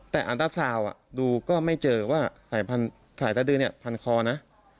แต่อันตราซาวน์ดูก็ไม่เจอว่าสายตาดื้อเนี่ยพันคอนะ